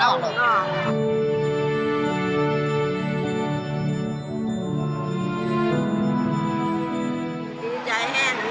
ไม่ต้องไห้